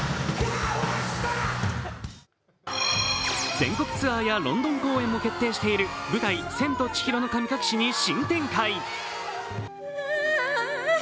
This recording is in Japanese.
全国ツアーやロンドン公演も決定している舞台「千と千尋の神隠し」に新展開。